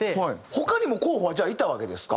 他にも候補はじゃあいたわけですか？